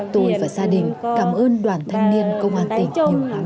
tôi và gia đình cảm ơn đoàn thanh niên công an tỉnh nhiều lắm